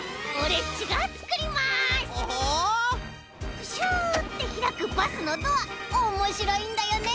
プシュッてひらくバスのドアおもしろいんだよね！